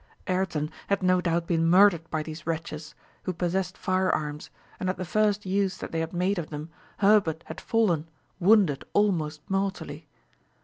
Ayrton had no doubt been murdered by these wretches, who possessed firearms, and at the first use that they had made of them, Herbert had fallen, wounded almost mortally.